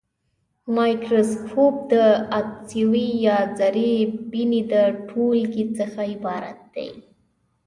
مایکروسکوپ د عدسیو یا زرې بیني د ټولګې څخه عبارت دی.